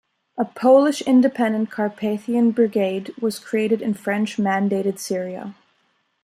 A Polish Independent Carpathian Brigade was created in French-mandated Syria.